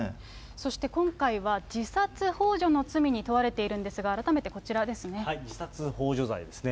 そして今回は自殺ほう助の罪に問われているんですが、改めて自殺ほう助罪ですね。